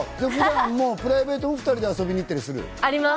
プライベートでも２人で遊びに行ったりします。